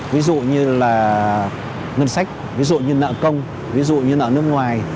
ví dụ như là ngân sách ví dụ như nợ công ví dụ như nợ nước ngoài